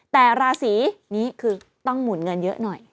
แต่ราศีนี้คือต้องหมุนเงินเยอะหน่อย